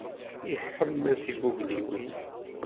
Iḥemmel tifugliwin.